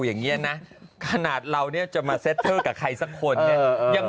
อย่างนี้นะขนาดเราเนี่ยจะมาเซ็ตเทอร์กับใครสักคนเนี่ย